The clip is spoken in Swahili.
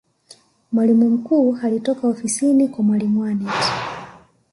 mwalimu mkuu alitoka ofisini kwa mwalimu aneth